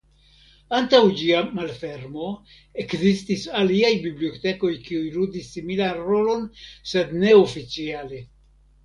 Antaŭ ĝia malfermo ekzistis aliaj bibliotekoj kiuj ludis similan rolon sed neoficiale.